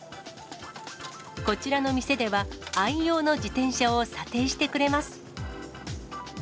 こちらの店では、愛用の自転車を査定してくれます。